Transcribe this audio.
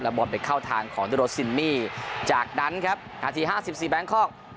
ระบบไปเข้าทางของโดรสซินมี่จากนั้นครับอาทิตย์ห้าสิบสี่แบงค์คอร์ก